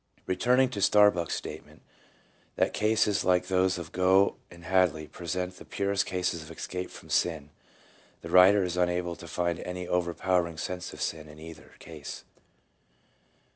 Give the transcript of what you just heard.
1 Returning to Starbuck's statement, that cases like those of Gough and Hadley present the purest cases of escape from sin, the writer is unable to find any overpowering sense of sin in either case.